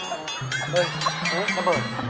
เฮ้ยเบิร์ดบ๊าย